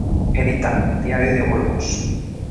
Edita: Diario de Burgos.